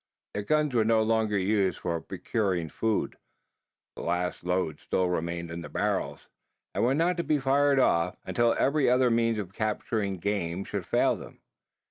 Their guns were no longer used for procuring food. The last loads still remained in the barrels; and were not to be fired off until every other means of capturing game should fail them.